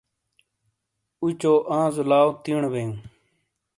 اوچو آںزو لاؤ تیݨو بیئو۔